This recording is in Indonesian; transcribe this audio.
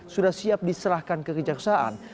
sudah siap diserahkan kekejaksaan